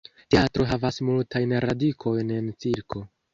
Teatro havas multajn radikojn en cirko.